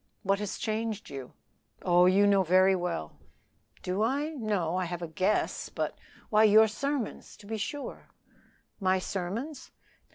"What has changed you?" "Oh, you know very well." "Do I? No; I have a guess; but " "Why your sermons, to be sure." "My sermons?"